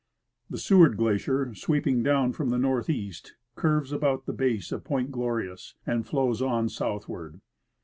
The Seward glacier, sweeping down from the northeast, curves about the base of Point Glorious and floAvs on southward.